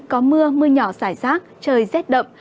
có mưa mưa nhỏ xảy rác trời rét đậm